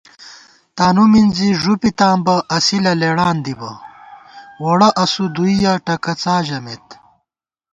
تانُو مِنزی ݫُپِتاں بہ اصِلہ لېڑان دِبہ ووڑہ اسُو دُوئیَہ ٹکَڅا ژمېت